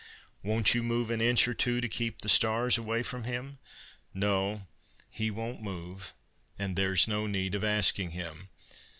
Won't you move an inch or two to keep the stars away from him? No, he won't move, and there's no need of asking him.